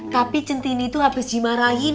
tapi centini itu habis dimarahin